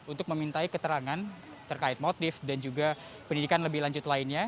untuk memintai keterangan terkait motif dan juga pendidikan lebih lanjut lainnya